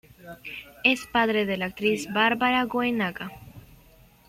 Es padre de la actriz Bárbara Goenaga.